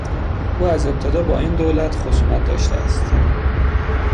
او از ابتدا با این دولت خصومت داشته است.